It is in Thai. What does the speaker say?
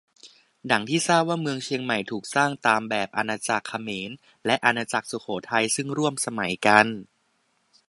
ดั่งที่ทราบว่าเมืองเชียงใหม่ถูกสร้างตามแบบอาณาจักรเขมร และ อาณาจักรสุโขทัยซึ่งร่วมสมัยกัน